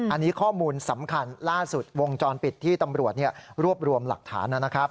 อันนี้ข้อมูลสำคัญล่าสุดวงจรปิดที่ตำรวจรวบรวมหลักฐานนะครับ